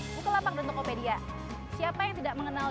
bukalapak dan tokopedia siapa yang tidak mengenal